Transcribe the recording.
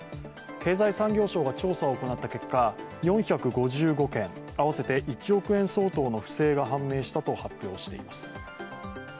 経済産業省が調査を行った結果、４５５件、合わせて１億円相当の不正が判明したと発表しています。